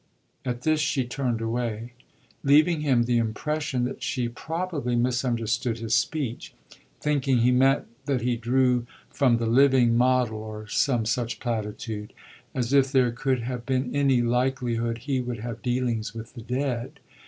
At this she turned away, leaving him the impression that she probably misunderstood his speech, thinking he meant that he drew from the living model or some such platitude: as if there could have been any likelihood he would have dealings with the dead.